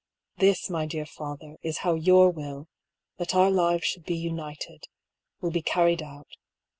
This, my dear father, is how your will — that our lives should be united — will be carried out.